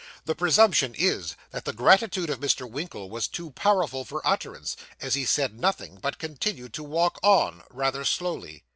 The presumption is, that the gratitude of Mr. Winkle was too powerful for utterance, as he said nothing, but continued to walk on rather slowly.